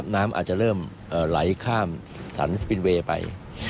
น้ำอาจจะเริ่มไหลข้ามสรรสปินเวย์ไป